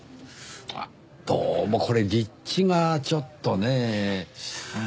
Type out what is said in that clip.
あっどうもこれ立地がちょっとねぇ。